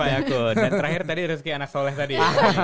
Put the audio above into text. dan terakhir tadi rezeki anak soleh tadi